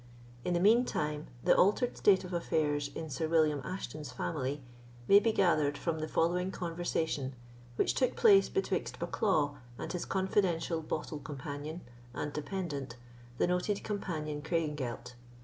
In the mean time, the altered state of affairs in Sir William Ashton's family may be gathered from the following conversation which took place betwixt Bucklaw and his confidential bottle companion and dependant, the noted Captain Craigengelt.